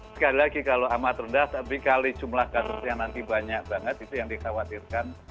sekali lagi kalau amat rendah tapi kali jumlah kasusnya nanti banyak banget itu yang dikhawatirkan